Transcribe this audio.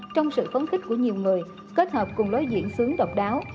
trong sự phấn khích của nhiều người kết hợp cùng lối diễn sướng độc đáo